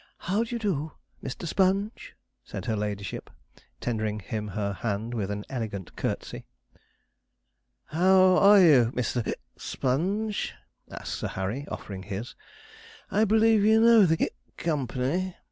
'How do you do. Mr. Sponge?' said her ladyship, tendering him her hand with an elegant curtsey. 'How are you, Mr. Sponge?' asked Sir Harry, offering his; 'I believe you know the company?'